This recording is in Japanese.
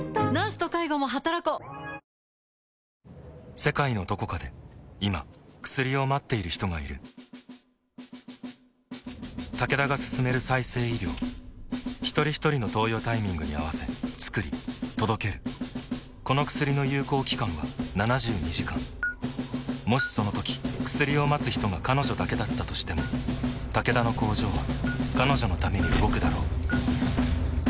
世界のどこかで今薬を待っている人がいるタケダが進める再生医療ひとりひとりの投与タイミングに合わせつくり届けるこの薬の有効期間は７２時間もしそのとき薬を待つ人が彼女だけだったとしてもタケダの工場は彼女のために動くだろう